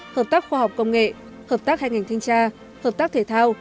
hợp tác khoa học công nghệ hợp tác hai ngành thanh tra hợp tác thể thao